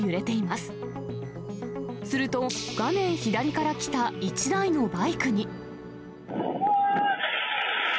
すると、画面左から来た１台のバイクに。